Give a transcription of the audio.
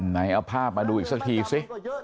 ไหนเอาภาพมาดูอีกสักทีสิ